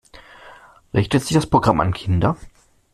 Richtet sich das Programm an Kinder?